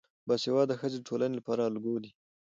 باسواده ښځې د ټولنې لپاره الګو دي.